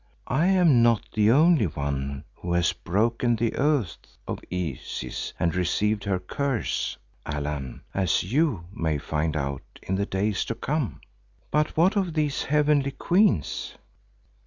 I am not the only one who has broken the oaths of Isis and received her curse, Allan, as you may find out in the days to come. But what of these heavenly queens?"